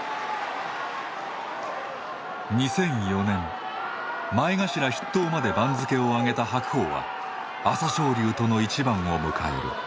２００４年前頭筆頭まで番付を上げた白鵬は朝青龍との一番を迎える。